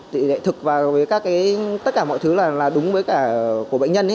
tỷ lệ thực và với tất cả mọi thứ là đúng với cả của bệnh nhân